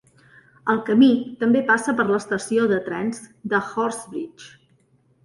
El camí també passa per l"estació de trens de Horsebridge.